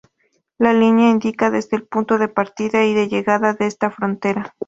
La línea indica desde el punto de partida y de llegada de esta frontera.